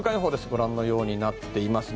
ご覧のようになっています。